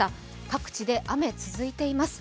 各地で雨、続いています。